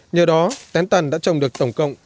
nhờ đó tén tần đã trồng được tổng cộng